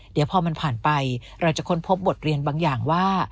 เดี๋ยวพอมันผ่านไปเราจะค้นพบบทเรียนบางอย่างว่า